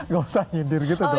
gak usah nyidir gitu dong